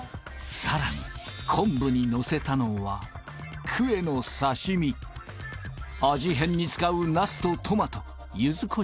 さらに昆布に載せたのはクエの刺身味変に使う茄子とトマト柚子